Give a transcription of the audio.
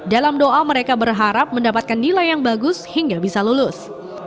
dalam doa mereka berharap mendapatkan nilai yang bagus hingga bisa lulus